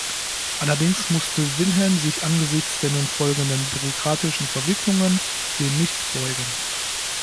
Allerdings musste Wilhelm sich angesichts der nun folgenden bürokratischen Verwicklungen dem nicht beugen.